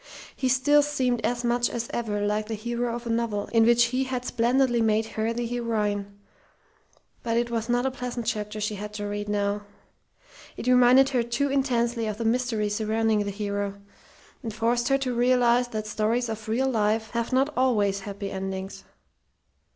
He still seemed as much as ever like the hero of a novel in which he had splendidly made her the heroine; but it was not a pleasant chapter she had to read now. It reminded her too intensely of the mystery surrounding the hero, and forced her to realize that stories of real life have not always happy endings.